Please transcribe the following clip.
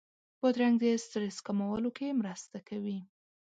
بادرنګ د سټرس کمولو کې مرسته کوي.